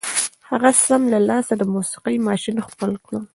هغه سم له لاسه د موسيقۍ ماشين خپل کړ.